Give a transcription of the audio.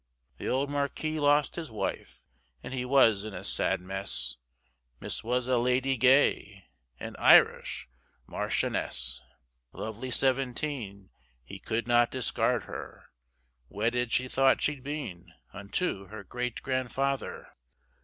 The old Marquis lost his wife, And he was in a sad mess, Miss was a lady gay, An Irish Marchioness; Lovely seventeen, He could not discard her Wedded she thought she'd been Unto her great grandfather.